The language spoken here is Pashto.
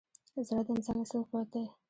زړه د انسان اصلي قوت دی.